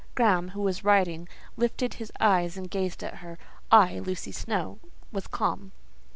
Graham, who was writing, lifted up his eyes and gazed at her. I, Lucy Snowe, was calm.